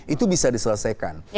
itu bisa diselesaikan